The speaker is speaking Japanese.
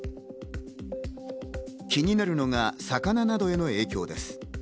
気になるのが魚などへの影響です。